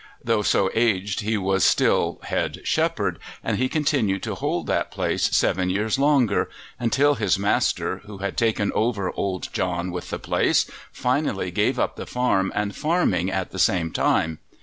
Though so aged he was still head shepherd, and he continued to hold that place seven years longer until his master, who had taken over old John with the place, finally gave up the farm and farming at the same time.